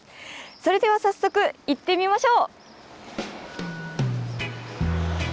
それでは早速行ってみましょう！